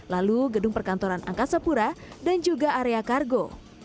lalu gedung perkantoran angka sepura dan juga area kargo